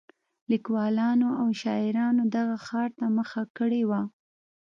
لیکوالانو او شاعرانو دغه ښار ته مخه کړې وه.